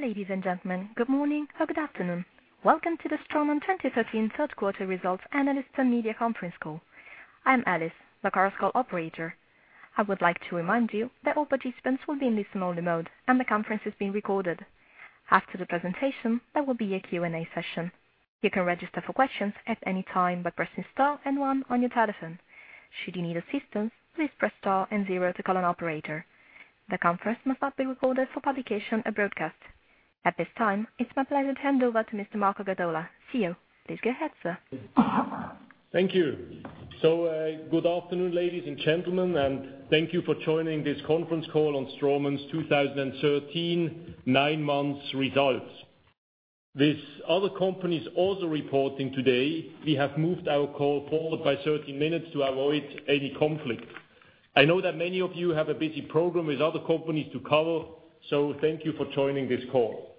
Ladies and gentlemen, good morning or good afternoon. Welcome to the Straumann 2013 third quarter results analyst and media conference call. I am Alice, the conference call operator. I would like to remind you that all participants will be in listen-only mode, and the conference is being recorded. After the presentation, there will be a Q&A session. You can register for questions at any time by pressing star and one on your telephone. Should you need assistance, please press star and zero to call an operator. The conference must not be recorded for publication or broadcast. At this time, it is my pleasure to hand over to Mr. Marco Gadola, CEO. Please go ahead, sir. Thank you. Good afternoon, ladies and gentlemen, and thank you for joining this conference call on Straumann's 2013 nine months results. With other companies also reporting today, we have moved our call forward by 30 minutes to avoid any conflict. I know that many of you have a busy program with other companies to cover. Thank you for joining this call.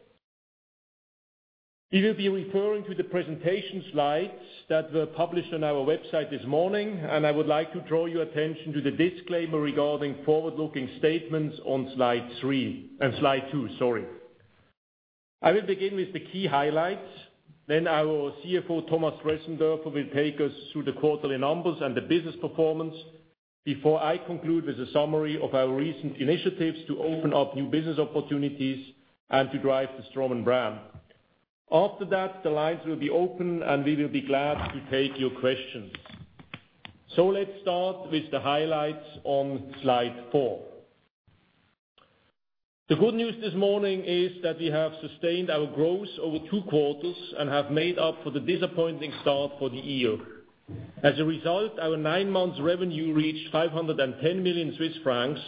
We will be referring to the presentation slides that were published on our website this morning, and I would like to draw your attention to the disclaimer regarding forward-looking statements on Slide two. I will begin with the key highlights. Then our CFO, Thomas Dressendörfer, will take us through the quarterly numbers and the business performance before I conclude with a summary of our recent initiatives to open up new business opportunities and to drive the Straumann brand. After that, the lines will be open, and we will be glad to take your questions. Let us start with the highlights on Slide four. The good news this morning is that we have sustained our growth over two quarters and have made up for the disappointing start for the year. As a result, our nine-month revenue reached 510 million Swiss francs,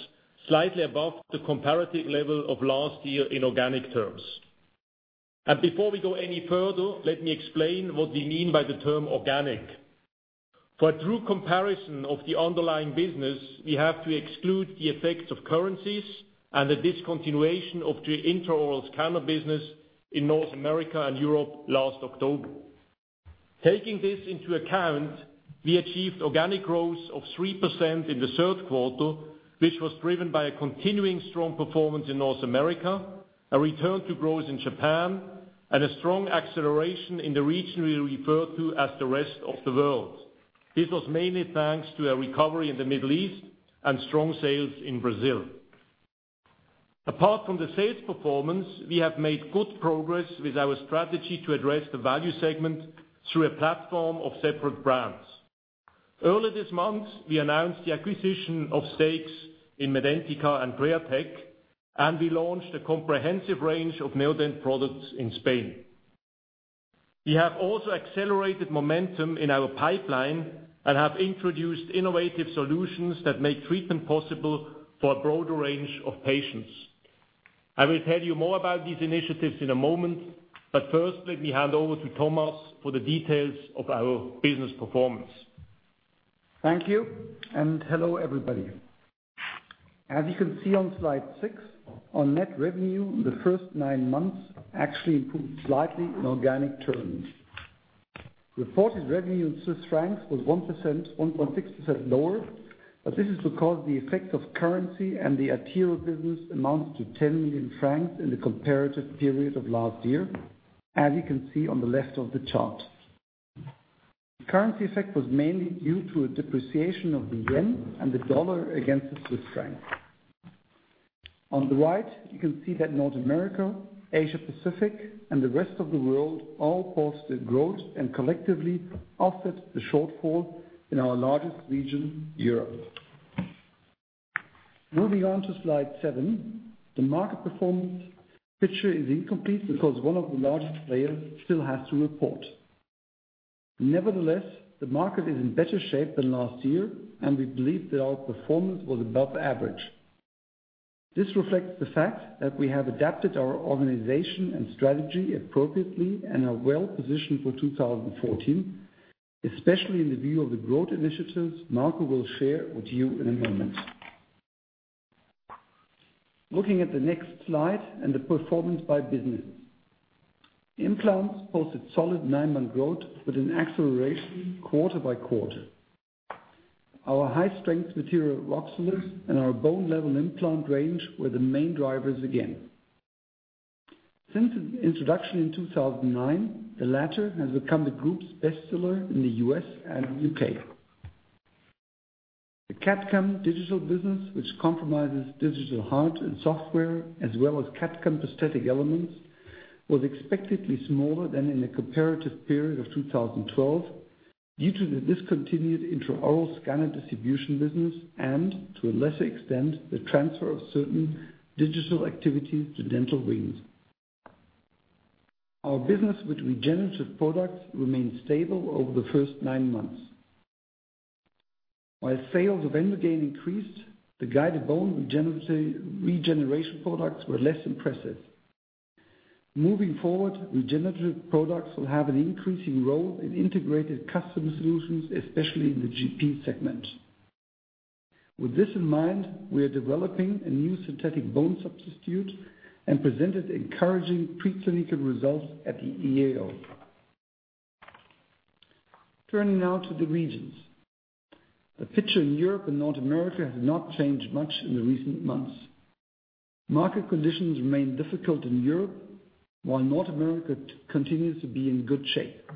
slightly above the comparative level of last year in organic terms. Before we go any further, let me explain what we mean by the term organic. For a true comparison of the underlying business, we have to exclude the effects of currencies and the discontinuation of the intraoral scanner business in North America and Europe last October. Taking this into account, we achieved organic growth of 3% in the third quarter, which was driven by a continuing strong performance in North America, a return to growth in Japan, and a strong acceleration in the region we refer to as the rest of the world. This was mainly thanks to a recovery in the Middle East and strong sales in Brazil. Apart from the sales performance, we have made good progress with our strategy to address the value segment through a platform of separate brands. Early this month, we announced the acquisition of stakes in Medentika and Createch, and we launched a comprehensive range of Neodent products in Spain. We have also accelerated momentum in our pipeline and have introduced innovative solutions that make treatment possible for a broader range of patients. I will tell you more about these initiatives in a moment, but first, let me hand over to Thomas for the details of our business performance. Thank you, and hello, everybody. As you can see on Slide six, our net revenue in the first nine months actually improved slightly in organic terms. Reported revenue in CHF was 1.6% lower, this is because the effect of currency and the material business amounts to 10 million francs in the comparative period of last year, as you can see on the left of the chart. Currency effect was mainly due to a depreciation of the yen and the dollar against the Swiss franc. On the right, you can see that North America, Asia Pacific, and the rest of the world all posted growth and collectively offset the shortfall in our largest region, Europe. Moving on to Slide seven, the market performance picture is incomplete because one of the largest players still has to report. Nevertheless, the market is in better shape than last year, and we believe that our performance was above average. This reflects the fact that we have adapted our organization and strategy appropriately and are well-positioned for 2014, especially in the view of the growth initiatives Marco will share with you in a moment. Looking at the next slide and the performance by business. Implants posted solid nine-month growth with an acceleration quarter by quarter. Our high-strength material, Roxolid, and our bone-level implant range were the main drivers again. Since its introduction in 2009, the latter has become the group's best seller in the U.S. and the U.K. The CAD/CAM digital business, which compromises digital hardware and software as well as CAD/CAM prosthetic elements, was expectedly smaller than in the comparative period of 2012 due to the discontinued intraoral scanner distribution business and, to a lesser extent, the transfer of certain digital activities to Dental Wings. Our business with regenerative products remained stable over the first nine months. While sales of Emdogain increased, the guided bone regeneration products were less impressive. Moving forward, regenerative products will have an increasing role in integrated customer solutions, especially in the GP segment. With this in mind, we are developing a new synthetic bone substitute and presented encouraging preclinical results at the EAO Turning now to the regions. The picture in Europe and North America has not changed much in the recent months. Market conditions remain difficult in Europe, while North America continues to be in good shape.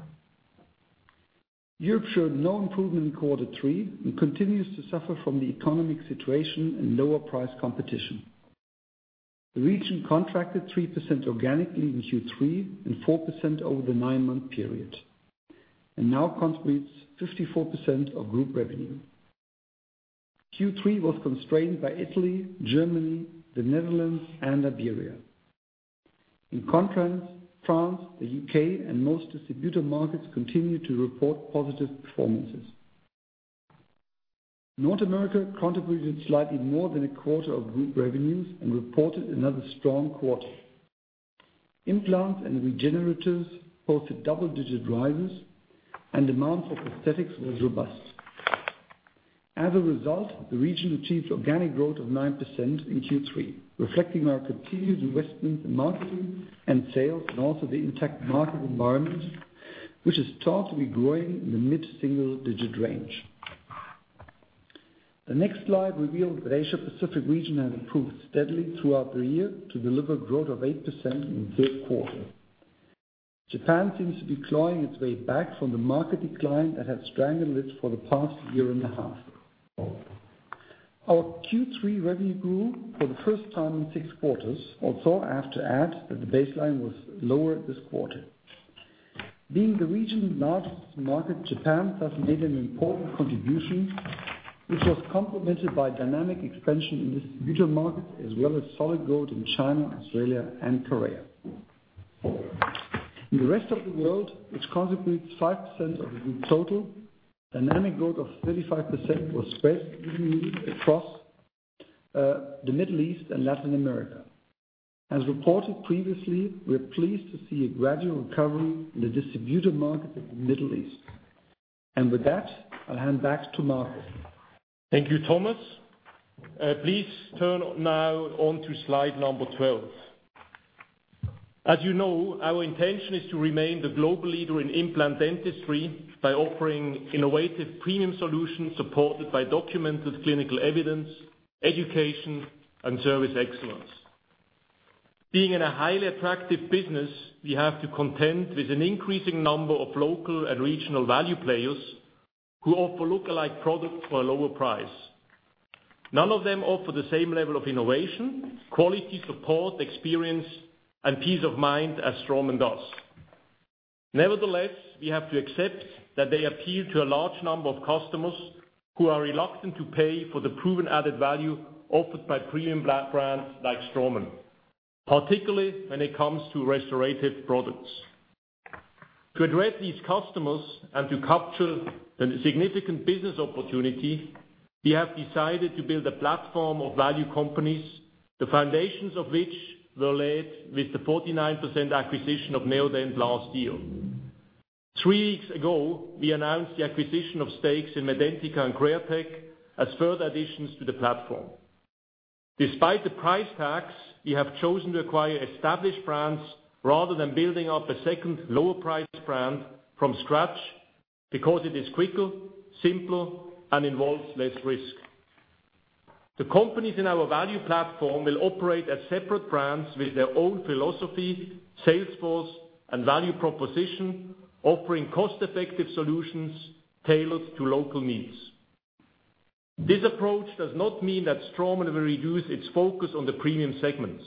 Europe showed no improvement in quarter three and continues to suffer from the economic situation and lower price competition. The region contracted 3% organically in Q3 and 4% over the nine-month period and now constitutes 54% of group revenue. Q3 was constrained by Italy, Germany, the Netherlands, and Iberia. In contrast, France, the U.K. and most distributor markets continue to report positive performances. North America contributed slightly more than a quarter of group revenues and reported another strong quarter. Implants and regeneratives posted double-digit rises and demand for prosthetics was robust. As a result, the region achieved organic growth of 9% in Q3, reflecting our continuous investments in marketing and sales, also the intact market environment, which is thought to be growing in the mid-single-digit range. The next slide reveals that the Asia Pacific region has improved steadily throughout the year to deliver growth of 8% in the third quarter. Japan seems to be clawing its way back from the market decline that has strangled it for the past year and a half. Our Q3 revenue grew for the first time in six quarters, although I have to add that the baseline was lower this quarter. Being the region's largest market, Japan thus made an important contribution, which was complemented by dynamic expansion in the distributor market, as well as solid growth in China, Australia, and Korea. In the rest of the world, which constitutes 5% of the group total, dynamic growth of 35% was spread evenly across the Middle East and Latin America. As reported previously, we are pleased to see a gradual recovery in the distributor market in the Middle East. With that, I'll hand back to Marco. Thank you, Thomas. Please turn now on to slide number 12. As you know, our intention is to remain the global leader in implant dentistry by offering innovative premium solutions supported by documented clinical evidence, education, and service excellence. Being in a highly attractive business, we have to contend with an increasing number of local and regional value players who offer lookalike products for a lower price. None of them offer the same level of innovation, quality, support, experience, and peace of mind as Straumann does. Nevertheless, we have to accept that they appeal to a large number of customers who are reluctant to pay for the proven added value offered by premium brands like Straumann, particularly when it comes to restorative products. To address these customers and to capture the significant business opportunity, we have decided to build a platform of value companies, the foundations of which were laid with the 49% acquisition of Neodent last year. Three weeks ago, we announced the acquisition of stakes in Medentika and Createch as further additions to the platform. Despite the price tags, we have chosen to acquire established brands rather than building up a second lower priced brand from scratch because it is quicker, simpler, and involves less risk. The companies in our value platform will operate as separate brands with their own philosophy, sales force, and value proposition, offering cost-effective solutions tailored to local needs. This approach does not mean that Straumann will reduce its focus on the premium segments.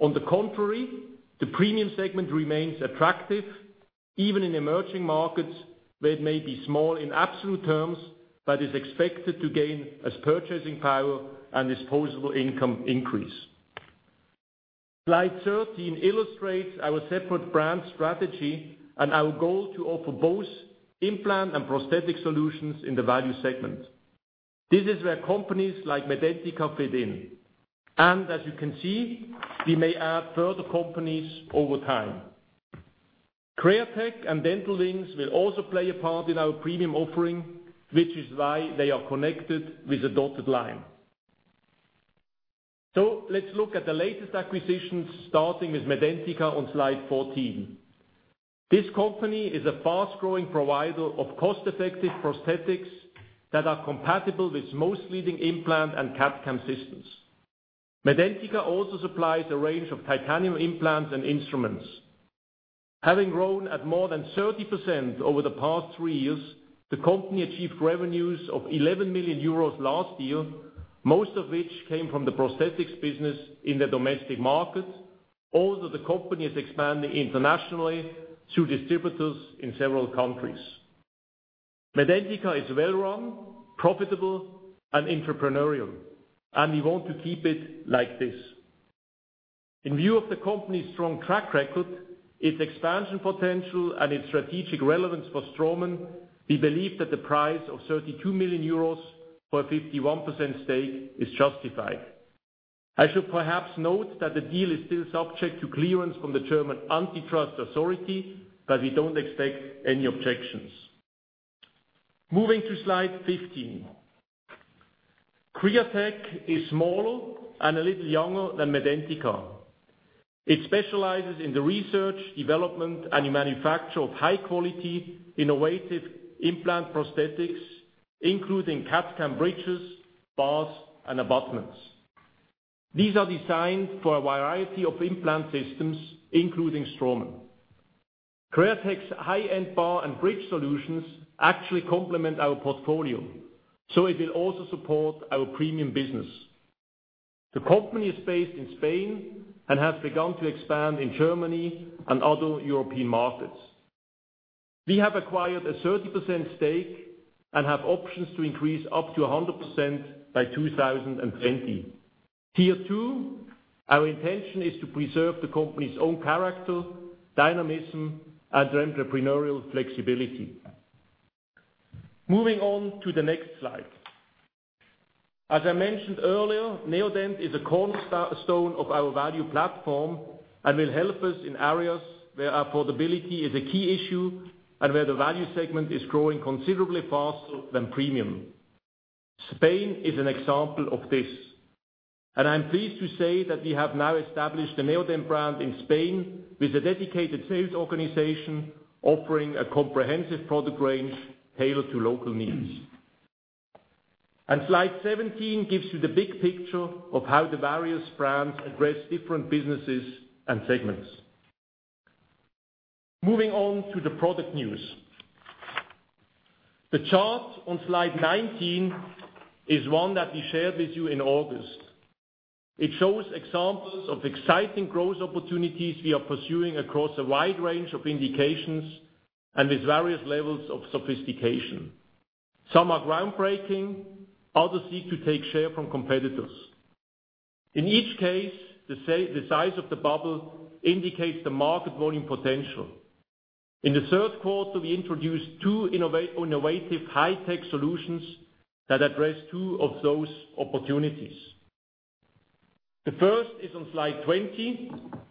On the contrary, the premium segment remains attractive even in emerging markets where it may be small in absolute terms but is expected to gain as purchasing power and disposable income increase. Slide 13 illustrates our separate brand strategy and our goal to offer both implant and prosthetic solutions in the value segment. This is where companies like Medentika fit in, and as you can see, we may add further companies over time. Createch and Dental Wings will also play a part in our premium offering, which is why they are connected with a dotted line. Let's look at the latest acquisitions starting with Medentika on slide 14. This company is a fast-growing provider of cost-effective prosthetics that are compatible with most leading implant and CAD/CAM systems. Medentika also supplies a range of titanium implants and instruments. Having grown at more than 30% over the past three years, the company achieved revenues of 11 million euros last year, most of which came from the prosthetics business in their domestic market, although the company is expanding internationally through distributors in several countries. Medentika is well-run, profitable, and entrepreneurial, and we want to keep it like this. In view of the company's strong track record, its expansion potential, and its strategic relevance for Straumann, we believe that the price of 32 million euros for a 51% stake is justified. I should perhaps note that the deal is still subject to clearance from the German antitrust authority, but we don't expect any objections. Moving to slide 15. Createch is smaller and a little younger than Medentika. It specializes in the research, development, and manufacture of high-quality, innovative implant prosthetics, including CAD/CAM bridges, bars, and abutments. These are designed for a variety of implant systems, including Straumann. Createch's high-end bar and bridge solutions actually complement our portfolio, it will also support our premium business. The company is based in Spain and has begun to expand in Germany and other European markets. We have acquired a 30% stake and have options to increase up to 100% by 2020. Here too, our intention is to preserve the company's own character, dynamism, and entrepreneurial flexibility. Moving on to the next slide. As I mentioned earlier, Neodent is a cornerstone of our value platform and will help us in areas where affordability is a key issue, and where the value segment is growing considerably faster than premium. Spain is an example of this, I'm pleased to say that we have now established the Neodent brand in Spain with a dedicated sales organization offering a comprehensive product range tailored to local needs. Slide 17 gives you the big picture of how the various brands address different businesses and segments. Moving on to the product news. The chart on slide 19 is one that we shared with you in August. It shows examples of exciting growth opportunities we are pursuing across a wide range of indications and with various levels of sophistication. Some are groundbreaking. Others seek to take share from competitors. In each case, the size of the bubble indicates the market volume potential. In the third quarter, we introduced two innovative high-tech solutions that address two of those opportunities. The first is on slide 20,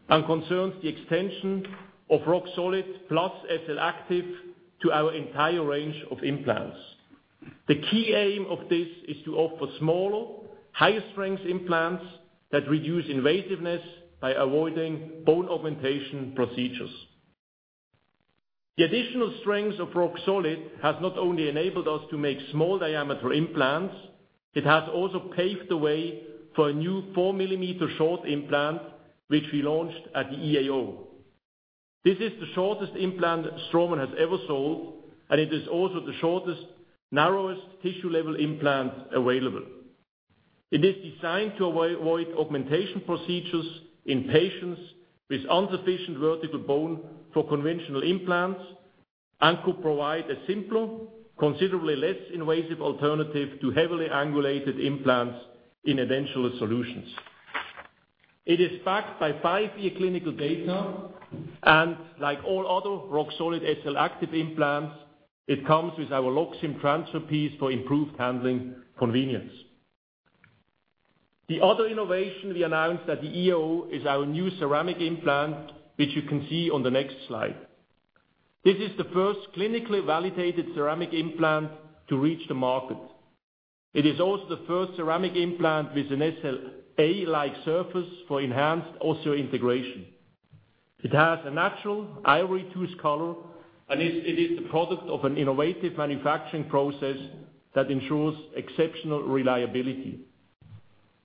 concerns the extension of Roxolid SLActive to our entire range of implants. The key aim of this is to offer smaller, higher-strength implants that reduce invasiveness by avoiding bone augmentation procedures. The additional strengths of Roxolid has not only enabled us to make small-diameter implants, it has also paved the way for a new 4-millimeter short implant, which we launched at the EAO. This is the shortest implant Straumann has ever sold, it is also the shortest, narrowest tissue-level implant available. It is designed to avoid augmentation procedures in patients with insufficient vertical bone for conventional implants and could provide a simpler, considerably less invasive alternative to heavily angulated implants in edentulous solutions. It is backed by 5-year clinical data, like all other Roxolid SLActive implants, it comes with our Loxim transfer piece for improved handling convenience. The other innovation we announced at the EAO is our new ceramic implant, which you can see on the next slide. This is the first clinically validated ceramic implant to reach the market. It is also the first ceramic implant with an SLA-like surface for enhanced osseointegration. It has a natural ivory-tooth color, it is the product of an innovative manufacturing process that ensures exceptional reliability.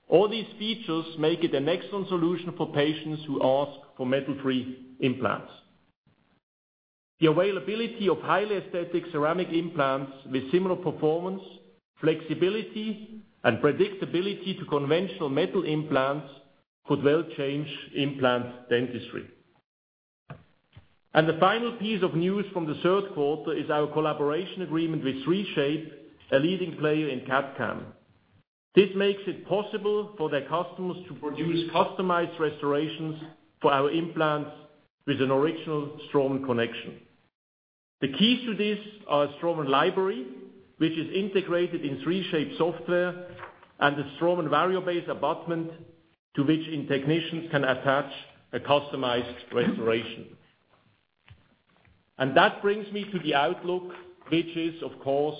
All these features make it an excellent solution for patients who ask for metal-free implants. The availability of highly aesthetic ceramic implants with similar performance, flexibility, and predictability to conventional metal implants could well change implant dentistry. The final piece of news from the third quarter is our collaboration agreement with 3Shape, a leading player in CAD/CAM. This makes it possible for their customers to produce customized restorations for our implants with an original Straumann connection. The key to this, our Straumann library, which is integrated in 3Shape software and the Straumann Variobase abutment to which technicians can attach a customized restoration. That brings me to the outlook, which is, of course,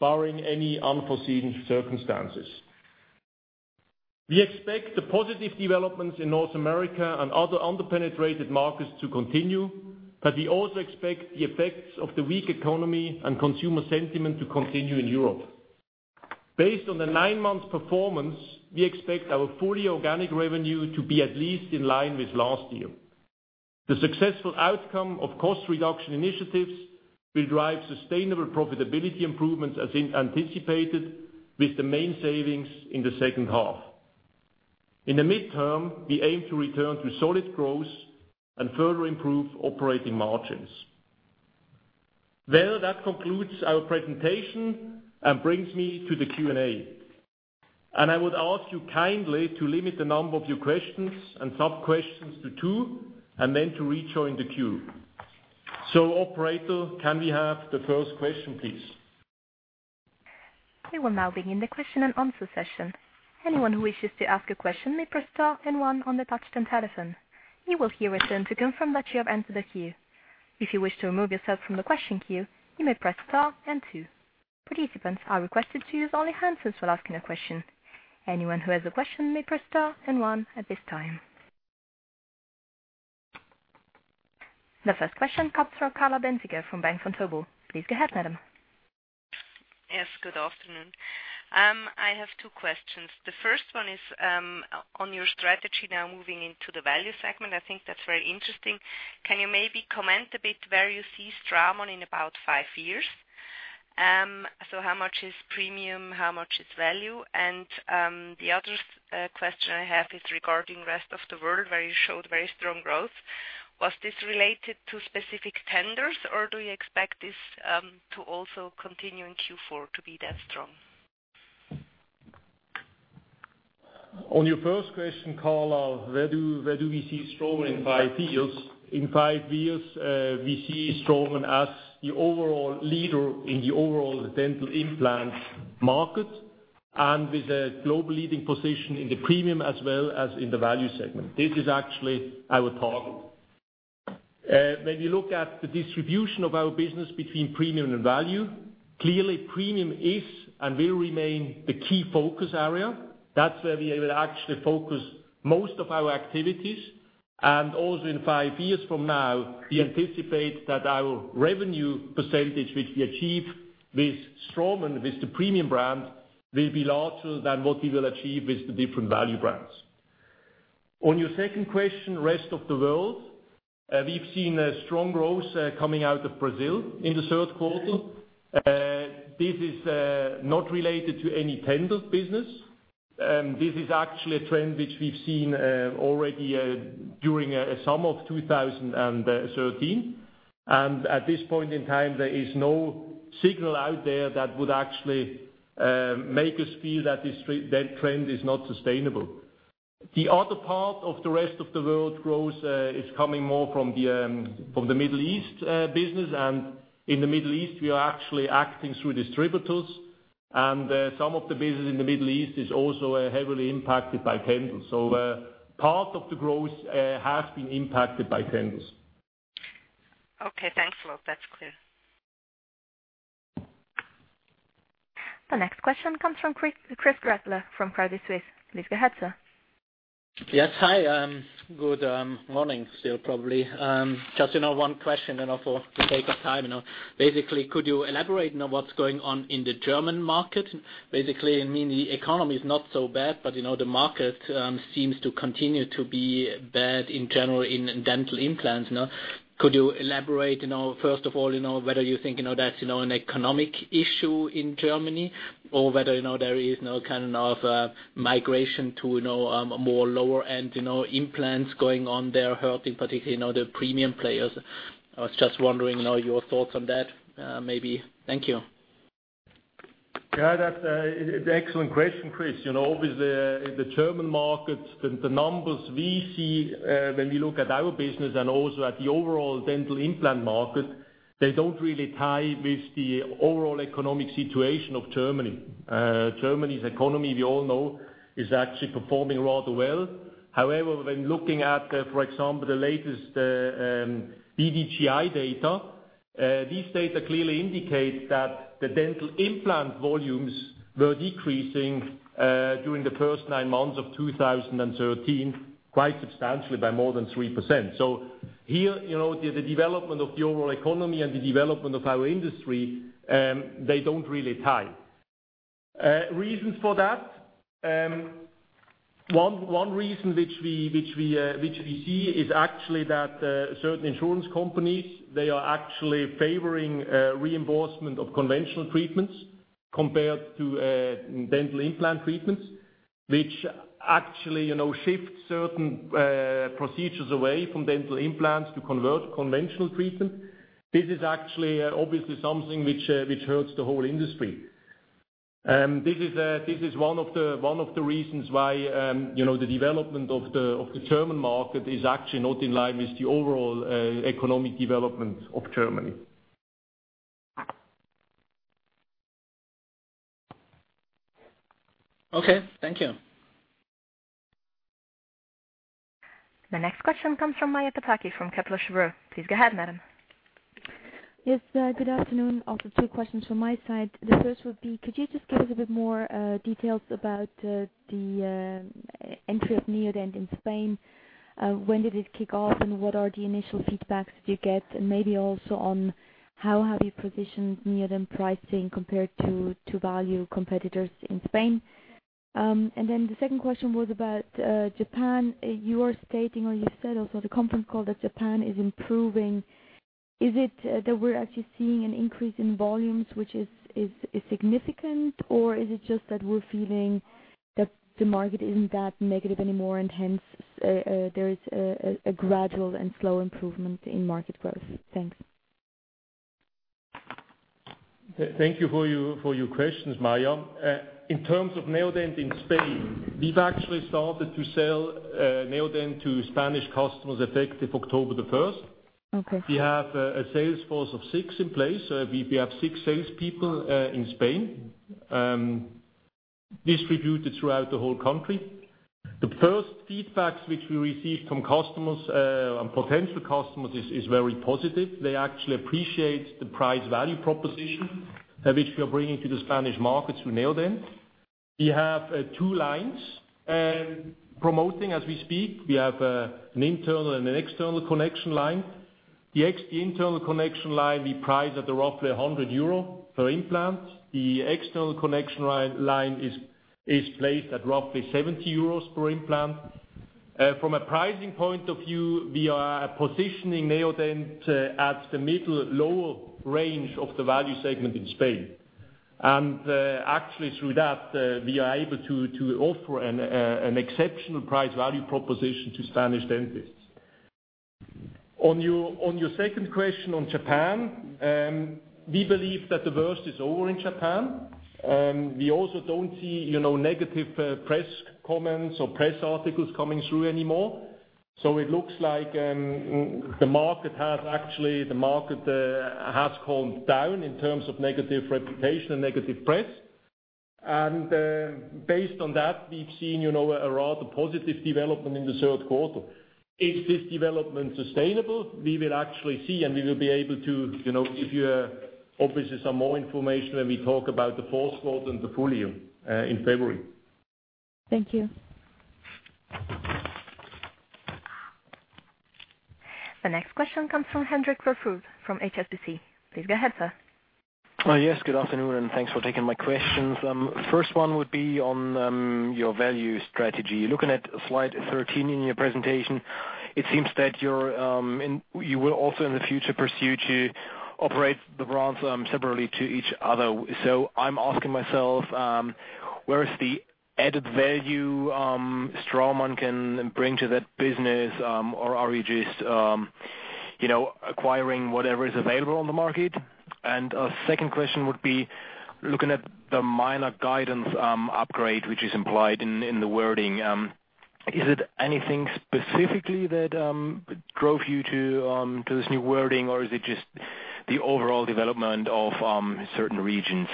barring any unforeseen circumstances. We expect the positive developments in North America and other under-penetrated markets to continue, we also expect the effects of the weak economy and consumer sentiment to continue in Europe. Based on the 9-month performance, we expect our full-year organic revenue to be at least in line with last year. The successful outcome of cost reduction initiatives will drive sustainable profitability improvements as anticipated with the main savings in the second half. In the midterm, we aim to return to solid growth and further improve operating margins. That concludes our presentation and brings me to the Q&A. I would ask you kindly to limit the number of your questions and sub-questions to two, then to rejoin the queue. Operator, can we have the first question, please? We will now begin the question-and-answer session. Anyone who wishes to ask a question may press star and one on the touch-tone telephone. You will hear a tone to confirm that you have entered the queue. If you wish to remove yourself from the question queue, you may press star and two. Participants are requested to use only handsets while asking a question. Anyone who has a question may press star and one at this time. The first question comes from Carla Bänziger of Bank Vontobel. Please go ahead, madam. Yes, good afternoon. I have two questions. The first one is on your strategy now moving into the value segment. I think that's very interesting. Can you maybe comment a bit where you see Straumann in about five years? How much is premium, how much is value? The other question I have is regarding rest of the world, where you showed very strong growth. Was this related to specific tenders, or do you expect this to also continue in Q4 to be that strong? On your first question, Carla, where do we see Straumann in five years? In five years, we see Straumann as the overall leader in the overall dental implant market and with a global leading position in the premium as well as in the value segment. This is actually our target. When you look at the distribution of our business between premium and value, clearly premium is and will remain the key focus area. That's where we will actually focus most of our activities. Also in five years from now, we anticipate that our revenue percentage, which we achieve with Straumann, with the premium brand, will be larger than what we will achieve with the different value brands. On your second question, rest of the world, we've seen a strong growth coming out of Brazil in the third quarter. This is not related to any tender business. This is actually a trend which we've seen already during summer of 2013. At this point in time, there is no signal out there that would actually make us feel that trend is not sustainable. The other part of the rest of the world growth is coming more from the Middle East business. In the Middle East, we are actually acting through distributors, and some of the business in the Middle East is also heavily impacted by tenders. Part of the growth has been impacted by tenders. Okay, thanks a lot. That's clear. The next question comes from Christoph Gretler from Credit Suisse. Please go ahead, sir. Yes. Hi, good morning, still probably. Just one question for the sake of time. Basically, could you elaborate on what's going on in the German market? Basically, the economy is not so bad, but the market seems to continue to be bad in general in dental implants. Could you elaborate, first of all, whether you think that's an economic issue in Germany or whether there is now a migration to more lower-end implants going on there, hurting particularly the premium players. I was just wondering your thoughts on that, maybe. Thank you. Yeah, that's an excellent question, Chris. With the German market, the numbers we see when we look at our business and also at the overall dental implant market, they don't really tie with the overall economic situation of Germany. Germany's economy, we all know, is actually performing rather well. However, when looking at, for example, the latest BDIZ EDI data, these data clearly indicate that the dental implant volumes were decreasing during the first nine months of 2013 quite substantially by more than 3%. Here, the development of the overall economy and the development of our industry, they don't really tie. Reasons for that: one reason which we see is actually that certain insurance companies, they are actually favoring reimbursement of conventional treatments compared to dental implant treatments, which actually shifts certain procedures away from dental implants to conventional treatment. This is actually obviously something which hurts the whole industry. This is one of the reasons why the development of the German market is actually not in line with the overall economic development of Germany. Okay, thank you. The next question comes from Maja Pataki from Kepler Cheuvreux. Please go ahead, madam. Yes, good afternoon. Also two questions from my side. The first would be, could you just give us a bit more details about the entry of Neodent in Spain? When did it kick off, and what are the initial feedbacks you get? Maybe also on how have you positioned Neodent pricing compared to value competitors in Spain? Then the second question was about Japan. You are stating, or you said also on the conference call, that Japan is improving. Is it that we're actually seeing an increase in volumes, which is significant, or is it just that we're feeling that the market isn't that negative anymore, and hence there is a gradual and slow improvement in market growth? Thanks. Thank you for your questions, Maja. In terms of Neodent in Spain, we've actually started to sell Neodent to Spanish customers effective October the 1st. Okay. We have a sales force of six in place. We have six salespeople in Spain, distributed throughout the whole country. The first feedbacks which we received from customers and potential customers is very positive. They actually appreciate the price-value proposition, which we are bringing to the Spanish market through Neodent. We have two lines promoting as we speak. We have an internal and an external connection line. The internal connection line, we price at roughly 100 euro per implant. The external connection line is placed at roughly 70 euros per implant. From a pricing point of view, we are positioning Neodent at the middle lower range of the value segment in Spain. Actually through that, we are able to offer an exceptional price-value proposition to Spanish dentists. On your second question on Japan, we believe that the worst is over in Japan. We also don't see negative press comments or press articles coming through anymore. It looks like the market has calmed down in terms of negative reputation and negative press. Based on that, we've seen a rather positive development in the third quarter. Is this development sustainable? We will actually see, and we will be able to give you obviously some more information when we talk about the fourth quarter and the full year in February. Thank you. The next question comes from Henrik Verfuß from HSBC. Please go ahead, sir. Yes, good afternoon. Thanks for taking my questions. First one would be on your value strategy. Looking at slide 13 in your presentation, it seems that you will also in the future pursue to operate the brands separately to each other. I'm asking myself, where is the added value Straumann can bring to that business, or are we just acquiring whatever is available on the market? A second question would be, looking at the minor guidance upgrade, which is implied in the wording. Is it anything specifically that drove you to this new wording, or is it just the overall development of certain regions?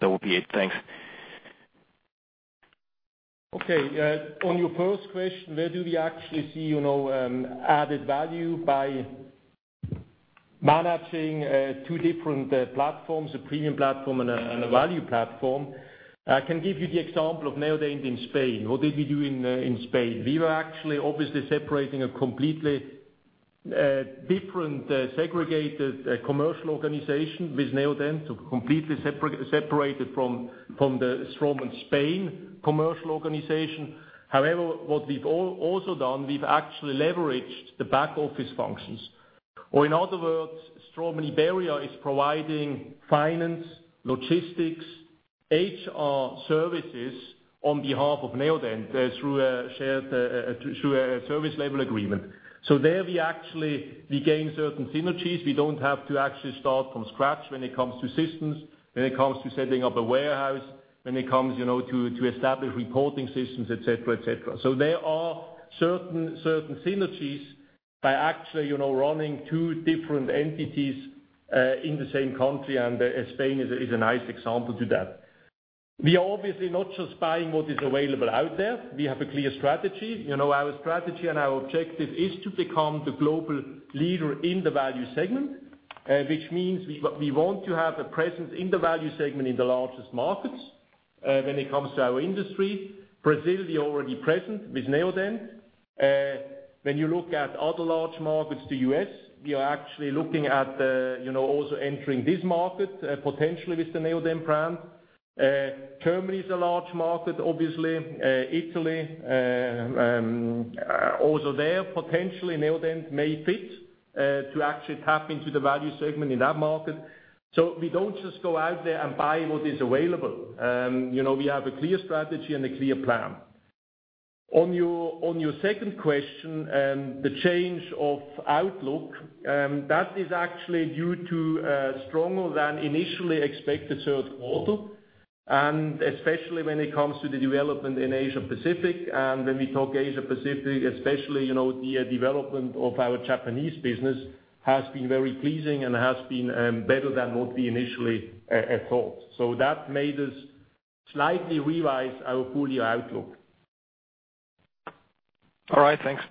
That would be it. Thanks. Okay. On your first question, where do we actually see added value by managing two different platforms, a premium platform and a value platform? I can give you the example of Neodent in Spain. What did we do in Spain? We were actually obviously separating a completely different segregated commercial organization with Neodent, so completely separated from the Straumann Spain commercial organization. However, what we've also done, we've actually leveraged the back-office functions. Or in other words, Straumann Iberia is providing finance, logistics, HR services on behalf of Neodent through a service level agreement. There we actually gain certain synergies. We don't have to actually start from scratch when it comes to systems, when it comes to setting up a warehouse, when it comes to establish reporting systems, et cetera. There are certain synergies by actually running two different entities in the same country, and Spain is a nice example to that. We are obviously not just buying what is available out there. We have a clear strategy. Our strategy and our objective is to become the global leader in the value segment, which means we want to have a presence in the value segment in the largest markets. When it comes to our industry, Brazil, we are already present with Neodent. When you look at other large markets, the U.S., we are actually looking at also entering this market, potentially with the Neodent brand. Germany is a large market, obviously. Italy, also there, potentially Neodent may fit to actually tap into the value segment in that market. We don't just go out there and buy what is available. We have a clear strategy and a clear plan. On your second question, the change of outlook, that is actually due to a stronger than initially expected third quarter, and especially when it comes to the development in Asia-Pacific. When we talk Asia-Pacific, especially the development of our Japanese business has been very pleasing and has been better than what we initially had thought. That made us slightly revise our full-year outlook. All right, thanks.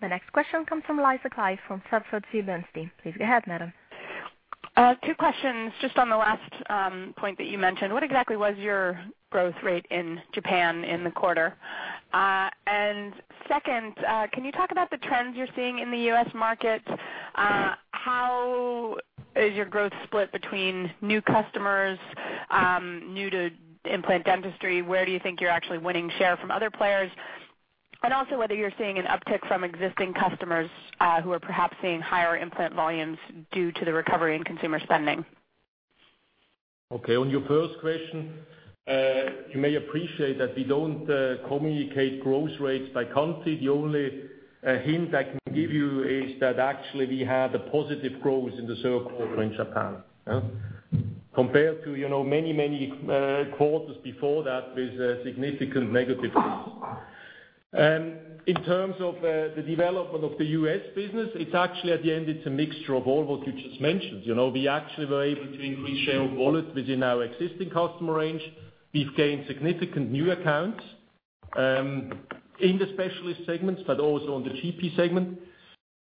The next question comes from Lisa Clive from Sanford C. Bernstein. Please go ahead, madam. Two questions just on the last point that you mentioned. What exactly was your growth rate in Japan in the quarter? Second, can you talk about the trends you're seeing in the U.S. market? How is your growth split between new customers, new to implant dentistry? Where do you think you're actually winning share from other players? Also whether you're seeing an uptick from existing customers who are perhaps seeing higher implant volumes due to the recovery in consumer spending. Okay. On your first question, you may appreciate that we don't communicate growth rates by country. The only hint I can give you is that actually we had a positive growth in the third quarter in Japan. Compared to many quarters before that, there is a significant negative growth. In terms of the development of the U.S. business, it's actually at the end, it's a mixture of all what you just mentioned. We actually were able to increase share of wallet within our existing customer range. We've gained significant new accounts in the specialist segments, but also in the GP segment.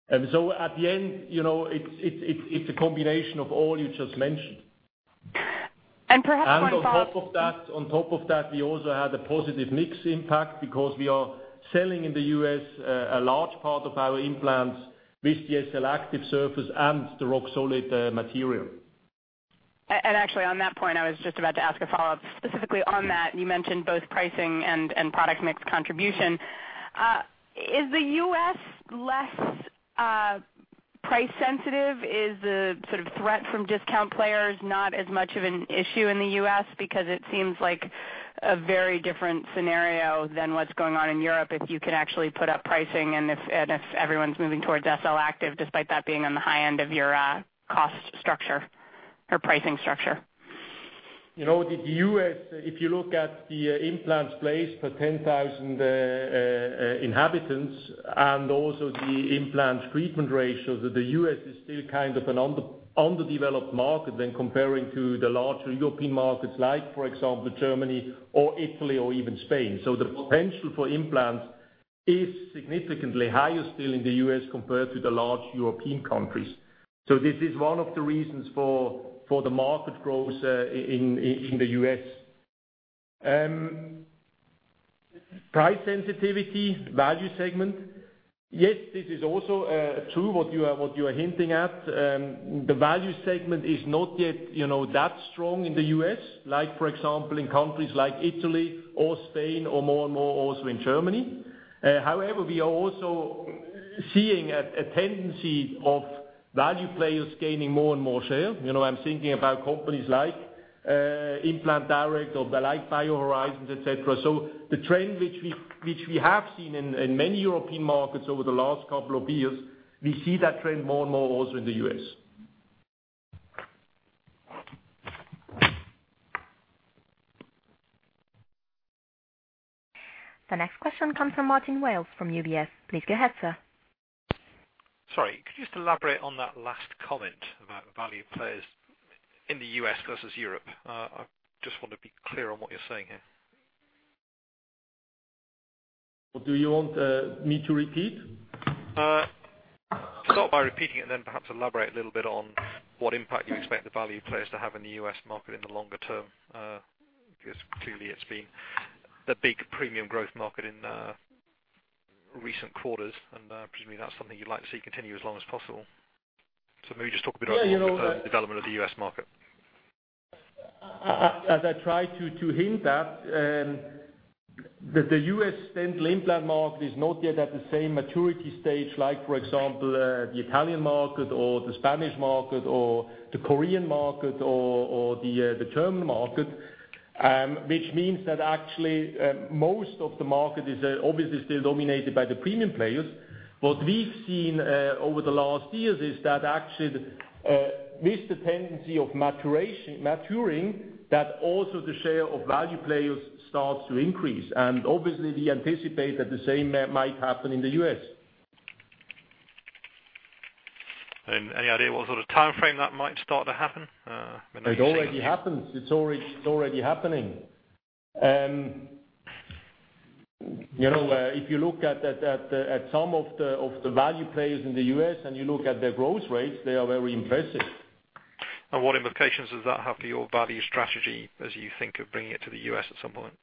At the end, it's a combination of all you just mentioned. Perhaps one follow-up. On top of that, we also had a positive mix impact because we are selling in the U.S. a large part of our implants with the SLActive surface and the Roxolid material. Actually, on that point, I was just about to ask a follow-up specifically on that. You mentioned both pricing and product mix contribution. Is the U.S. less price sensitive? Is the sort of threat from discount players not as much of an issue in the U.S. because it seems like a very different scenario than what's going on in Europe if you can actually put up pricing and if everyone's moving towards SLActive, despite that being on the high end of your cost structure or pricing structure. The U.S., if you look at the implants placed per 10,000 inhabitants and also the implant treatment ratio, the U.S. is still kind of an underdeveloped market when comparing to the larger European markets like, for example, Germany or Italy or even Spain. The potential for implants is significantly higher still in the U.S. compared to the large European countries. This is one of the reasons for the market growth in the U.S. Price sensitivity, value segment. Yes, this is also true what you are hinting at. The value segment is not yet that strong in the U.S. like, for example, in countries like Italy or Spain or more and more also in Germany. However, we are also seeing a tendency of value players gaining more and more share. I'm thinking about companies like Implant Direct or like BioHorizons, et cetera. The trend which we have seen in many European markets over the last couple of years, we see that trend more and more also in the U.S. The next question comes from Martin Wales from UBS. Please go ahead, sir. Sorry, could you just elaborate on that last comment about value players in the U.S. versus Europe? I just want to be clear on what you're saying here. Do you want me to repeat? Start by repeating it then perhaps elaborate a little bit on what impact you expect the value players to have in the U.S. market in the longer term, clearly it's been the big premium growth market in recent quarters, presumably that's something you'd like to see continue as long as possible. Maybe just talk a bit about the development of the U.S. market. As I try to hint at, the U.S. dental implant market is not yet at the same maturity stage like, for example the Italian market or the Spanish market or the Korean market or the German market, which means that actually most of the market is obviously still dominated by the premium players. What we've seen over the last years is that actually with the tendency of maturing, that also the share of value players starts to increase. Obviously we anticipate that the same might happen in the U.S. Any idea what sort of timeframe that might start to happen? When do you see? It already happens. It's already happening. You look at some of the value players in the U.S. and you look at their growth rates, they are very impressive. What implications does that have for your value strategy as you think of bringing it to the U.S. at some point?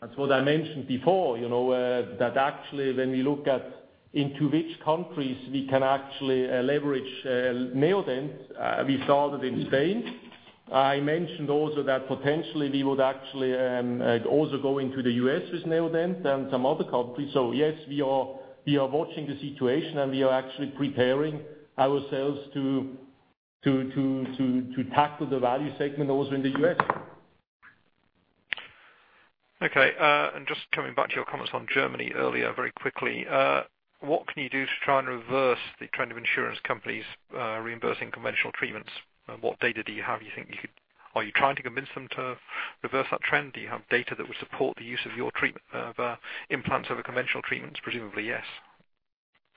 That's what I mentioned before, that actually when we look at into which countries we can actually leverage Neodent, we started in Spain. I mentioned also that potentially we would actually also go into the U.S. with Neodent and some other countries. Yes, we are watching the situation, and we are actually preparing ourselves to tackle the value segment also in the U.S. Okay. Just coming back to your comments on Germany earlier very quickly. What can you do to try and reverse the trend of insurance companies reimbursing conventional treatments? What data do you have? Are you trying to convince them to reverse that trend? Do you have data that would support the use of implants over conventional treatments? Presumably, yes.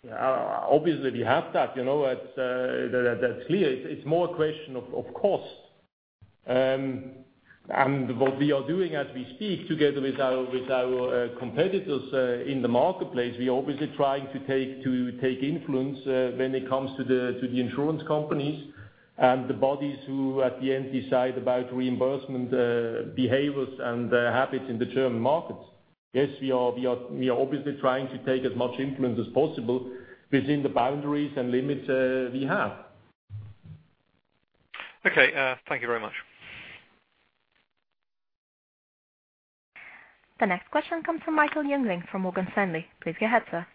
Obviously, we have that. That's clear. It's more a question of cost. What we are doing as we speak together with our competitors in the marketplace, we are obviously trying to take influence when it comes to the insurance companies and the bodies who at the end decide about reimbursement behaviors and habits in the German markets. Yes, we are obviously trying to take as much influence as possible within the boundaries and limits we have. Okay. Thank you very much. The next question comes from Michael Jüngling from Morgan Stanley. Please go ahead, sir.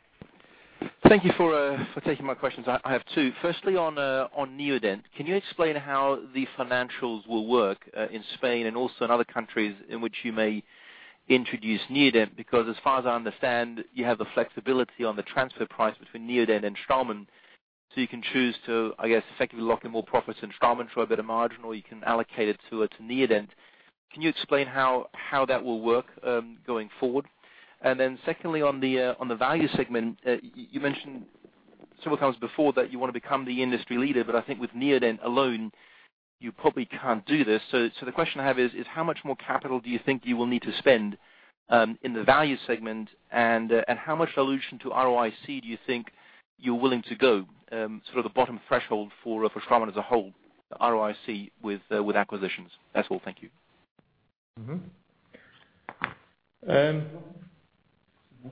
Thank you for taking my questions. I have two. Firstly, on Neodent, can you explain how the financials will work in Spain and also in other countries in which you may introduce Neodent? As far as I understand, you have the flexibility on the transfer price between Neodent and Straumann. You can choose to, I guess, effectively lock in more profits in Straumann for a better margin, or you can allocate it to Neodent. Can you explain how that will work going forward? Secondly, on the value segment, you mentioned several times before that you want to become the industry leader, I think with Neodent alone, you probably can't do this. The question I have is how much more capital do you think you will need to spend in the value segment? How much dilution to ROIC do you think you're willing to go, sort of the bottom threshold for Straumann as a whole, the ROIC with acquisitions? That's all. Thank you. You want this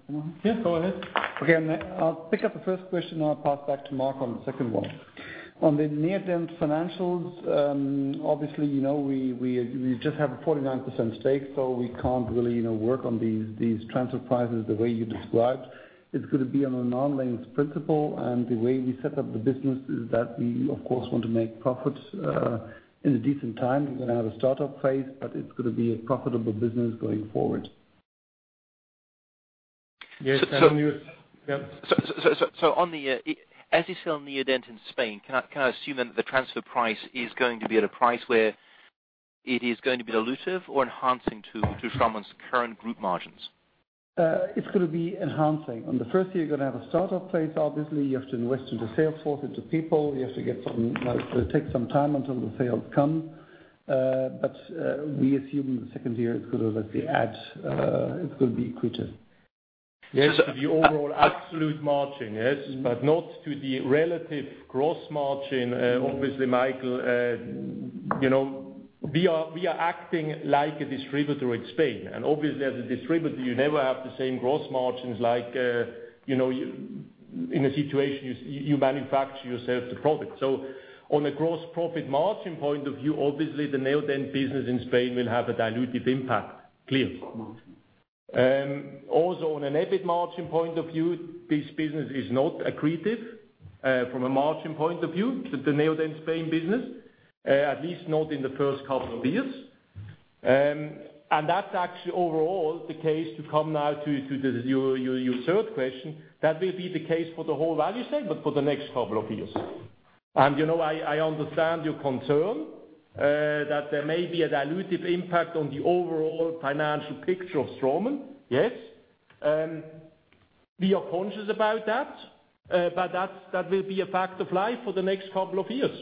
one? Yeah, go ahead. Okay. I'll pick up the first question, and I'll pass it back to Marco on the second one. On the Neodent financials, obviously, you know we just have a 49% stake, so we can't really work on these transfer prices the way you described. It's going to be on an arm's length principle, and the way we set up the business is that we, of course, want to make profits in a decent time. We're going to have a startup phase, but it's going to be a profitable business going forward. Yes, and you-- Yep. As you sell Neodent in Spain, can I assume then that the transfer price is going to be at a price where it is going to be dilutive or enhancing to Straumann's current group margins? It's going to be enhancing. On the first year, you're going to have a startup phase, obviously. You have to invest into sales force, into people. It will take some time until the sales come. We assume the second year it could be accretive. Yes, to the overall absolute margin. Not to the relative gross margin. Obviously, Michael, we are acting like a distributor in Spain, and obviously as a distributor, you never have the same gross margins like in a situation you manufacture yourself the product. On a gross profit margin point of view, obviously the Neodent business in Spain will have a dilutive impact, clear. Also on an EBIT margin point of view, this business is not accretive from a margin point of view, the Neodent Spain business, at least not in the first couple of years. That's actually overall the case, to come now to your third question, that will be the case for the whole value segment for the next couple of years. I understand your concern that there may be a dilutive impact on the overall financial picture of Straumann, yes. We are conscious about that, but that will be a fact of life for the next couple of years.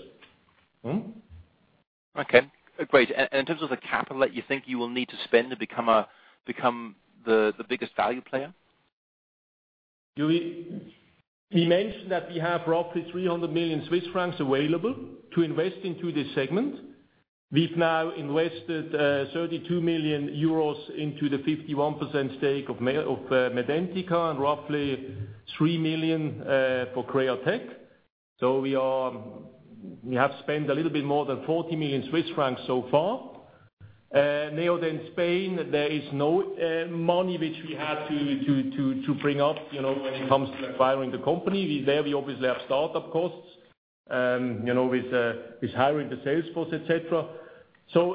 Okay, great. In terms of the capital that you think you will need to spend to become the biggest value player? We mentioned that we have roughly 300 million Swiss francs available to invest into this segment. We've now invested 32 million euros into the 51% stake of Medentika and roughly 3 million for Createch. We have spent a little bit more than 40 million Swiss francs so far. Neodent Spain, there is no money which we had to bring up when it comes to acquiring the company. There, we obviously have startup costs with hiring the sales force, et cetera.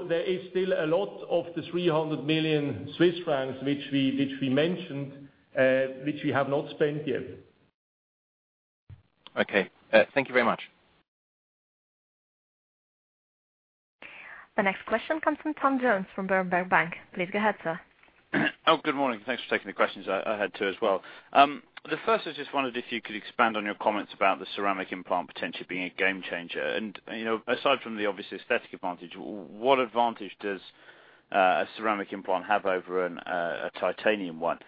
There is still a lot of the 300 million Swiss francs which we mentioned, which we have not spent yet. Okay. Thank you very much. The next question comes from Tom Jones from Berenberg Bank. Please go ahead, sir. Good morning. Thanks for taking the questions. I had two as well. The first is just wondering if you could expand on your comments about the ceramic implant potentially being a game changer. Aside from the obvious aesthetic advantage, what advantage does a ceramic implant have over a titanium one?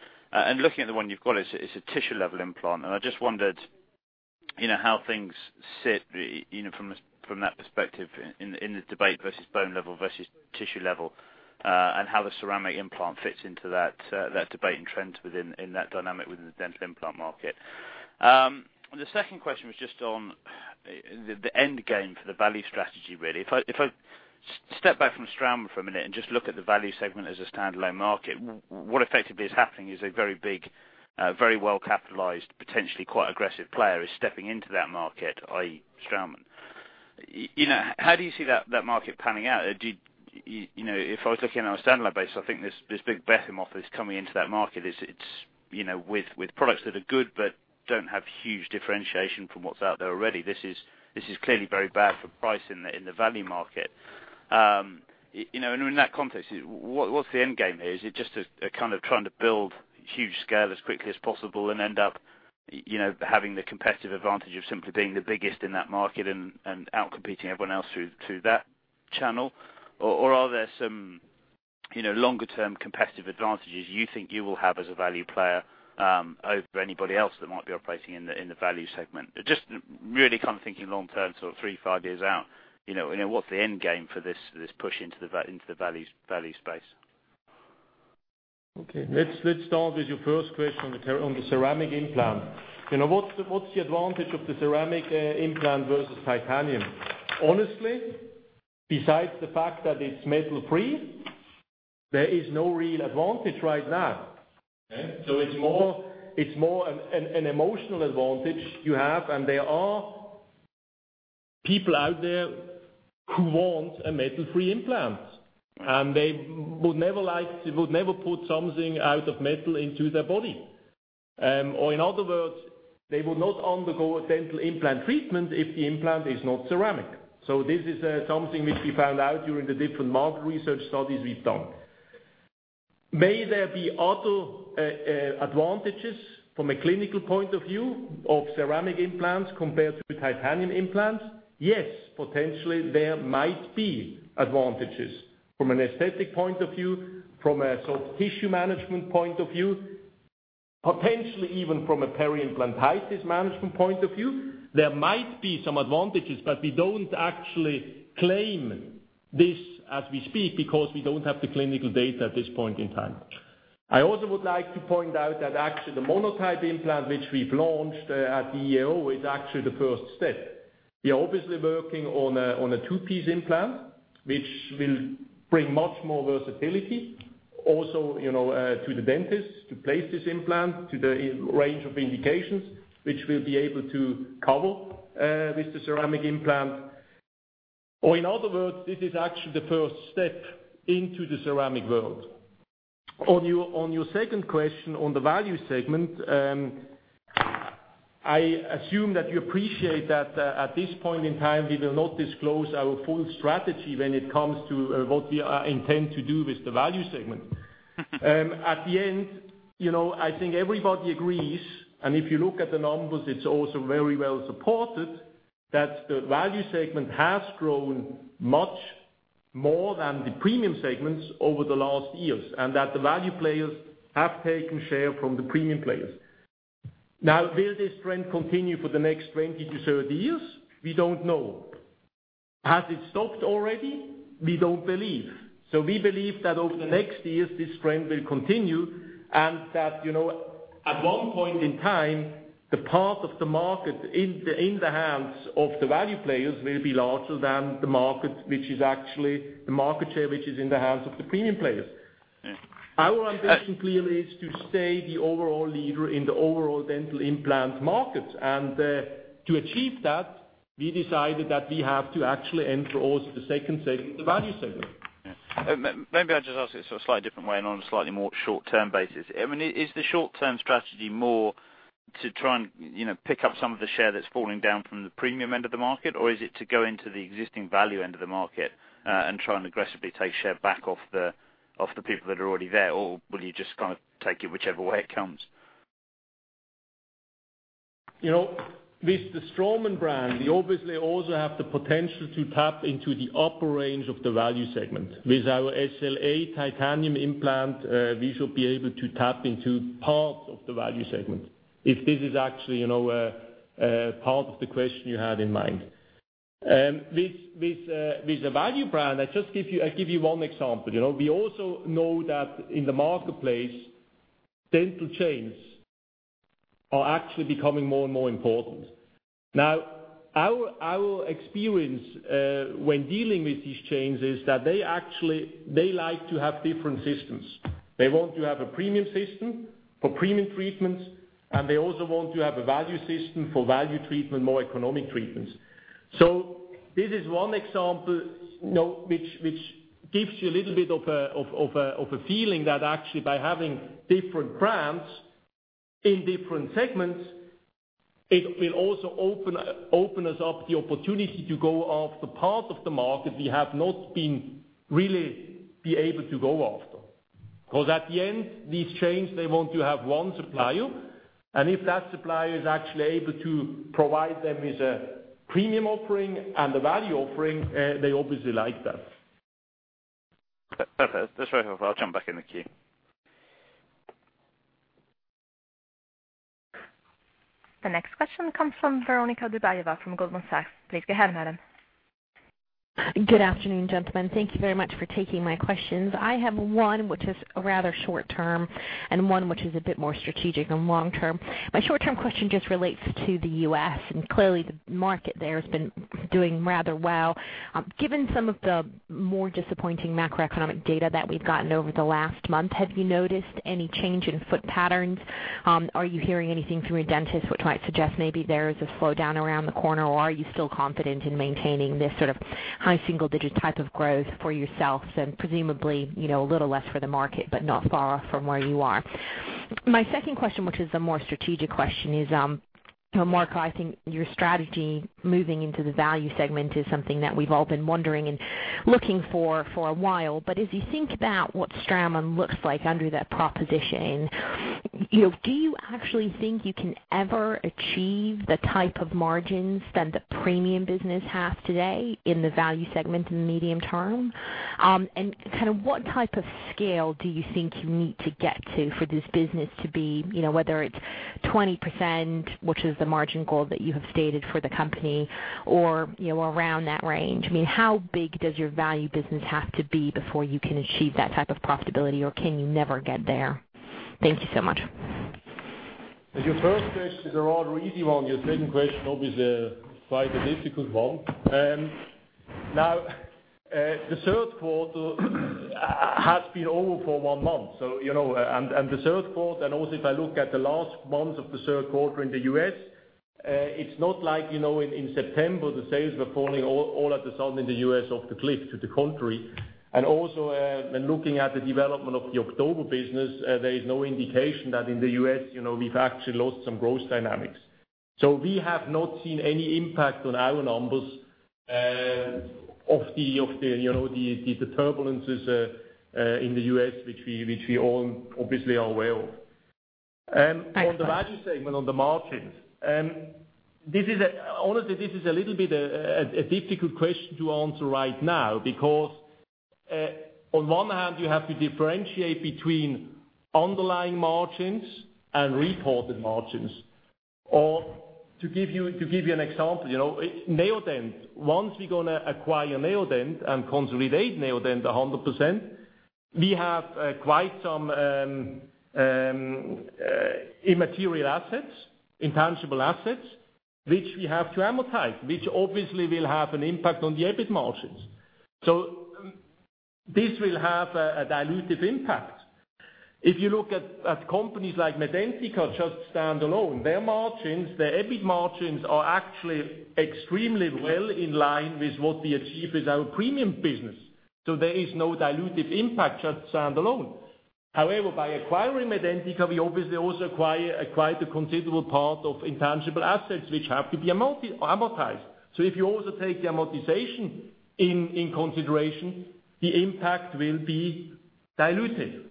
Looking at the one you've got, it's a tissue-level implant, and I just wondered how things sit from that perspective in the debate versus bone-level versus tissue-level, and how the ceramic implant fits into that debate and trends in that dynamic within the dental implant market. The second question was just on the end game for the value strategy, really. If I step back from Straumann for a minute and just look at the value segment as a standalone market, what effectively is happening is a very big, very well-capitalized, potentially quite aggressive player is stepping into that market, i.e., Straumann. How do you see that market panning out? If I was looking at a standalone base, I think this big behemoth is coming into that market with products that are good but don't have huge differentiation from what's out there already. This is clearly very bad for price in the value market. In that context, what's the end game here? Is it just trying to build huge scale as quickly as possible and end up having the competitive advantage of simply being the biggest in that market and out-competing everyone else through that channel? Are there some longer-term competitive advantages you think you will have as a value player over anybody else that might be operating in the value segment? Just really thinking long term, three, five years out, what's the end game for this push into the value space? Okay. Let's start with your first question on the ceramic implant. What's the advantage of the ceramic implant versus titanium? Honestly, besides the fact that it's metal-free, there is no real advantage right now. It's more an emotional advantage you have, and people out there who want a metal-free implant, and they would never put something out of metal into their body. In other words, they would not undergo a dental implant treatment if the implant is not ceramic. This is something which we found out during the different market research studies we've done. May there be other advantages from a clinical point of view of ceramic implants compared to titanium implants? Yes. Potentially there might be advantages from an aesthetic point of view, from a soft tissue management point of view, potentially even from a peri-implantitis management point of view, there might be some advantages, but we don't actually claim this as we speak because we don't have the clinical data at this point in time. I also would like to point out that actually the Monotype implant which we've launched at the EAO is actually the first step. We are obviously working on a two-piece implant, which will bring much more versatility also, to the dentist to place this implant to the range of indications which we'll be able to cover with the ceramic implant. In other words, this is actually the first step into the ceramic world. On your second question on the value segment, I assume that you appreciate that at this point in time, we will not disclose our full strategy when it comes to what we intend to do with the value segment. At the end, I think everybody agrees, and if you look at the numbers, it's also very well supported, that the value segment has grown much more than the premium segments over the last years, and that the value players have taken share from the premium players. Now, will this trend continue for the next 20 to 30 years? We don't know. Has it stopped already? We don't believe. We believe that over the next years, this trend will continue and that at one point in time, the part of the market in the hands of the value players will be larger than the market share, which is in the hands of the premium players. Yeah. Our ambition clearly is to stay the overall leader in the overall dental implant markets. To achieve that, we decided that we have to actually enter also the second segment, the value segment. Maybe I'll just ask this a slightly different way and on a slightly more short-term basis. Is the short-term strategy more to try and pick up some of the share that's falling down from the premium end of the market, or is it to go into the existing value end of the market, and try and aggressively take share back off the people that are already there? Or will you just take it whichever way it comes? With the Straumann brand, we obviously also have the potential to tap into the upper range of the value segment. With our SLA titanium implant, we should be able to tap into parts of the value segment if this is actually a part of the question you had in mind. With the value brand, I give you one example. We also know that in the marketplace, dental chains are actually becoming more and more important. Our experience, when dealing with these chains, is that they like to have different systems. They want to have a premium system for premium treatments, and they also want to have a value system for value treatment, more economic treatments. This is one example which gives you a little bit of a feeling that actually by having different brands in different segments, it will also open us up the opportunity to go after part of the market we have not been really be able to go after. At the end, these chains, they want to have one supplier, and if that supplier is actually able to provide them with a premium offering and a value offering, they obviously like that. Okay. That's very helpful. I'll jump back in the queue. The next question comes from Veronika Dubajova from Goldman Sachs. Please go ahead, madam. Good afternoon, gentlemen. Thank you very much for taking my questions. I have one which is rather short-term, and one which is a bit more strategic and long-term. My short-term question just relates to the U.S., clearly the market there has been doing rather well. Given some of the more disappointing macroeconomic data that we've gotten over the last month, have you noticed any change in foot patterns? Are you hearing anything from your dentists which might suggest maybe there is a slowdown around the corner, or are you still confident in maintaining this sort of high single-digit type of growth for yourselves and presumably, a little less for the market, but not far from where you are? My second question, which is a more strategic question, is, Marco, I think your strategy moving into the value segment is something that we've all been wondering and looking for for a while. As you think about what Straumann looks like under that proposition, do you actually think you can ever achieve the type of margins that the premium business have today in the value segment in the medium term? What type of scale do you think you need to get to for this business to be, whether it's 20%, which is the margin goal that you have stated for the company, or around that range? How big does your value business have to be before you can achieve that type of profitability, or can you never get there? Thank you so much. Your first question is a rather easy one. Your second question, obviously a slightly difficult one. The third quarter has been over for one month. The third quarter, and also if I look at the last month of the third quarter in the U.S., it's not like in September the sales were falling all at the sudden in the U.S. off the cliff to the contrary. Also when looking at the development of the October business, there is no indication that in the U.S. we've actually lost some growth dynamics. We have not seen any impact on our numbers of the turbulences in the U.S. which we all obviously are aware of. Thanks. On the value segment, on the margins, honestly, this is a little bit a difficult question to answer right now because, on one hand, you have to differentiate between underlying margins and reported margins. To give you an example, Neodent. Once we're going to acquire Neodent and consolidate Neodent 100%, we have quite some immaterial assets, intangible assets, which we have to amortize, which obviously will have an impact on the EBIT margins. This will have a dilutive impact. If you look at companies like Medentika just standalone, their margins, their EBIT margins are actually extremely well in line with what we achieve with our premium business. There is no dilutive impact just standalone. However, by acquiring Medentika, we obviously also acquire quite a considerable part of intangible assets which have to be amortized. If you also take the amortization in consideration, the impact will be dilutive.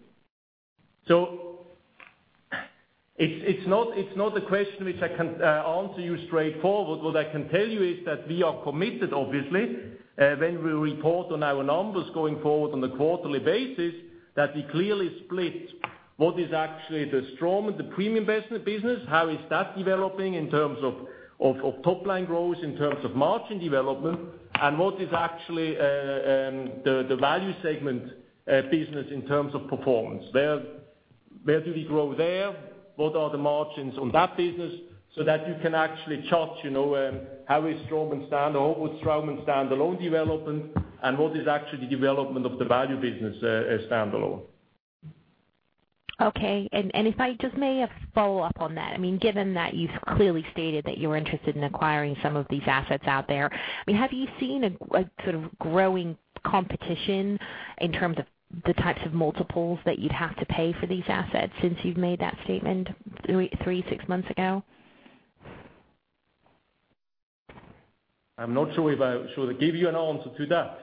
It's not a question which I can answer you straightforward. What I can tell you is that we are committed, obviously, when we report on our numbers going forward on a quarterly basis, that we clearly split what is actually the Straumann, the premium business, how is that developing in terms of top-line growth, in terms of margin development, and what is actually the value segment business in terms of performance. Where do we grow there? What are the margins on that business? That you can actually judge how is Straumann standalone development, and what is actually the development of the value business standalone. Okay. If I just may follow up on that. Given that you've clearly stated that you're interested in acquiring some of these assets out there, have you seen a sort of growing competition in terms of the types of multiples that you'd have to pay for these assets since you've made that statement three, six months ago? I'm not sure if I should give you an answer to that.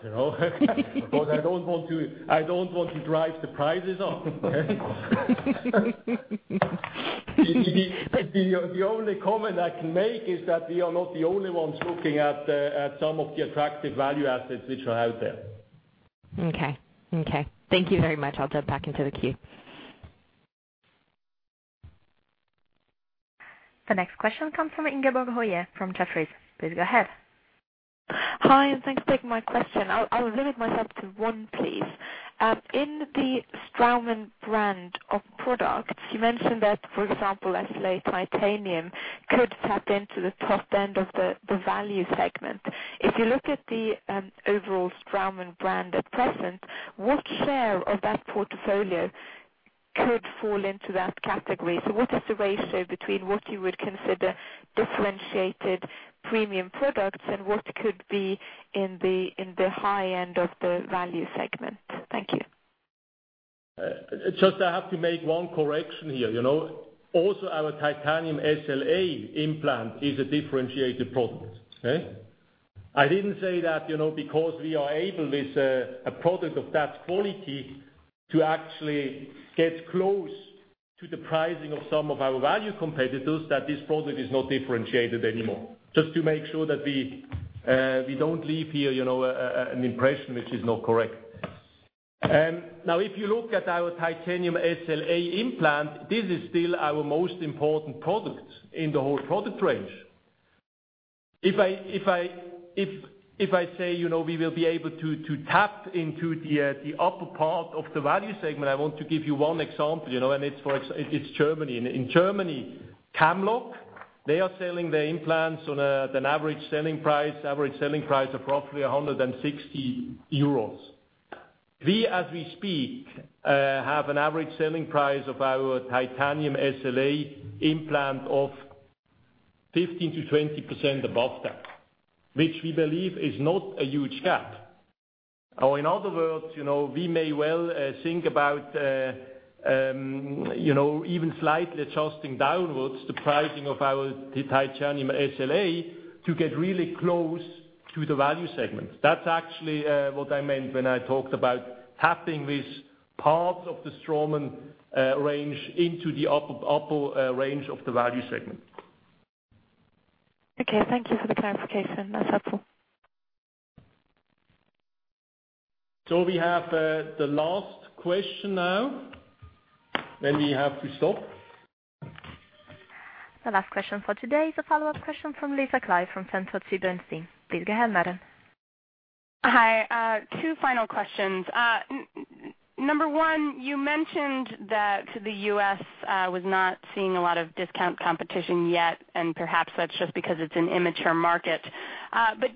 I don't want to drive the prices up, okay? The only comment I can make is that we are not the only ones looking at some of the attractive value assets which are out there. Okay. Thank you very much. I'll drop back into the queue. The next question comes from Ingeborg Øie from Jefferies. Please go ahead. Hi, thanks for taking my question. I'll limit myself to one, please. In the Straumann brand of products, you mentioned that, for example, Titanium SLA could tap into the top end of the value segment. If you look at the overall Straumann brand at present, what share of that portfolio could fall into that category? What is the ratio between what you would consider differentiated premium products and what could be in the high end of the value segment? Thank you. Just I have to make one correction here. Also our Titanium SLA implant is a differentiated product. Okay? I didn't say that because we are able, with a product of that quality, to actually get close to the pricing of some of our value competitors, that this product is not differentiated anymore. Just to make sure that we don't leave here an impression which is not correct. If you look at our Titanium SLA implant, this is still our most important product in the whole product range. If I say we will be able to tap into the upper part of the value segment, I want to give you one example, and it's Germany. In Germany, Camlog, they are selling their implants on an average selling price of roughly 160 euros. We, as we speak, have an average selling price of our Titanium SLA implant of 15%-20% above that, which we believe is not a huge gap. In other words, we may well think about even slightly adjusting downwards the pricing of our Titanium SLA to get really close to the value segment. That's actually what I meant when I talked about tapping these parts of the Straumann range into the upper range of the value segment. Okay. Thank you for the clarification. That's helpful. We have the last question now. We have to stop. The last question for today is a follow-up question from Lisa Clive from Sanford C. Bernstein. Please go ahead, madam. Hi. Two final questions. Number one, you mentioned that the U.S. was not seeing a lot of discount competition yet, perhaps that's just because it's an immature market.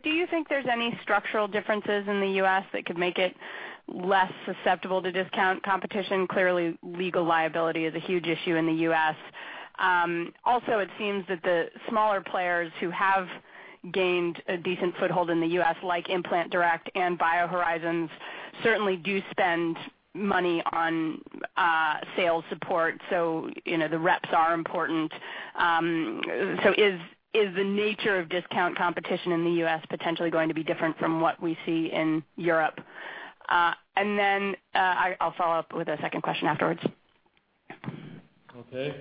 Do you think there's any structural differences in the U.S. that could make it less susceptible to discount competition? Clearly, legal liability is a huge issue in the U.S. Also, it seems that the smaller players who have gained a decent foothold in the U.S., like Implant Direct and BioHorizons, certainly do spend money on sales support, so the reps are important. Is the nature of discount competition in the U.S. potentially going to be different from what we see in Europe? I'll follow up with a second question afterwards. Okay.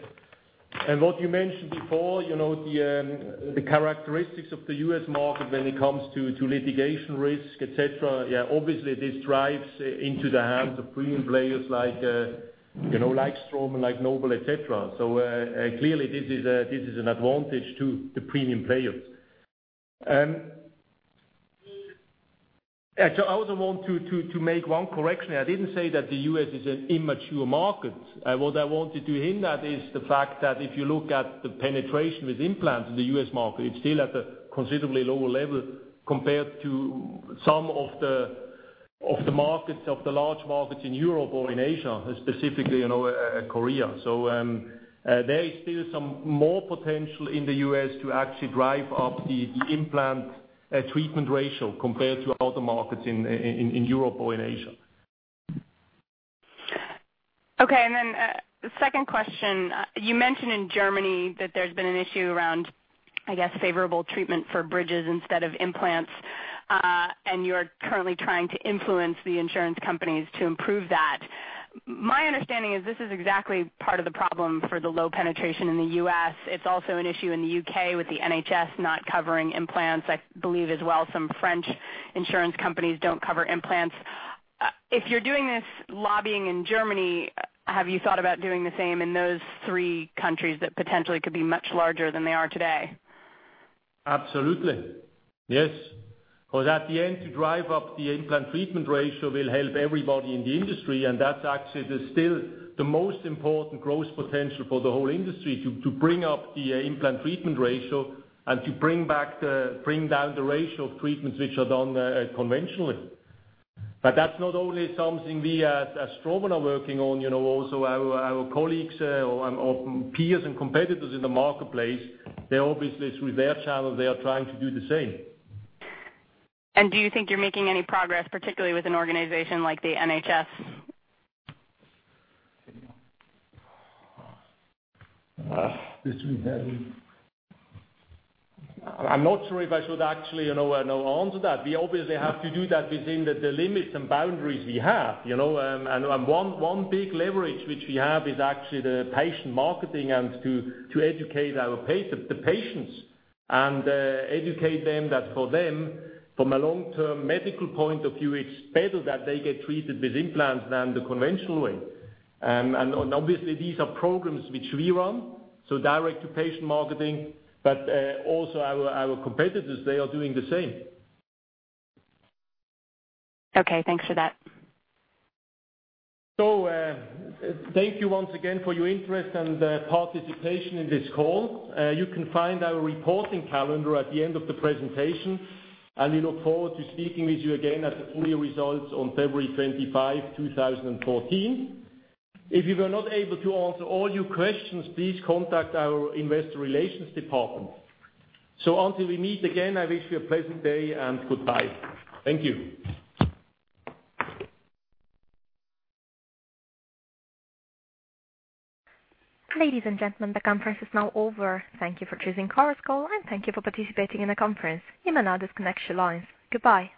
What you mentioned before, the characteristics of the U.S. market when it comes to litigation risk, et cetera, obviously, this drives into the hands of premium players like Straumann, like Nobel, et cetera. Clearly this is an advantage to the premium players. I also want to make one correction. I didn't say that the U.S. is an immature market. What I wanted to hint at is the fact that if you look at the penetration with implants in the U.S. market, it's still at a considerably lower level compared to some of the large markets in Europe or in Asia, specifically, Korea. There is still some more potential in the U.S. to actually drive up the implant treatment ratio compared to other markets in Europe or in Asia. Okay, the second question. You mentioned in Germany that there's been an issue around, I guess, favorable treatment for bridges instead of implants, and you're currently trying to influence the insurance companies to improve that. My understanding is this is exactly part of the problem for the low penetration in the U.S. It's also an issue in the U.K. with the NHS not covering implants. I believe as well, some French insurance companies don't cover implants. If you're doing this lobbying in Germany, have you thought about doing the same in those three countries that potentially could be much larger than they are today? Absolutely. Yes. At the end, to drive up the implant treatment ratio will help everybody in the industry, and that's actually still the most important growth potential for the whole industry, to bring up the implant treatment ratio and to bring down the ratio of treatments which are done conventionally. That's not only something we as Straumann are working on. Also our colleagues or peers and competitors in the marketplace, obviously through their channels, they are trying to do the same. Do you think you're making any progress, particularly with an organization like the NHS? I'm not sure if I should actually answer that. We obviously have to do that within the limits and boundaries we have. One big leverage which we have is actually the patient marketing and to educate the patients, and educate them that for them, from a long-term medical point of view, it's better that they get treated with implants than the conventional way. Obviously, these are programs which we run, so direct-to-patient marketing, but also our competitors, they are doing the same. Okay, thanks for that. Thank you once again for your interest and participation in this call. You can find our reporting calendar at the end of the presentation. We look forward to speaking with you again at the full-year results on February 25, 2014. If we were not able to answer all your questions, please contact our investor relations department. Until we meet again, I wish you a pleasant day and goodbye. Thank you. Ladies and gentlemen, the conference is now over. Thank you for choosing Chorus Call. Thank you for participating in the conference. You may now disconnect your lines. Goodbye.